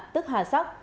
tức hà sóc